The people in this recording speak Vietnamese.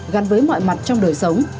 gắn với mọi mặt trong đời sống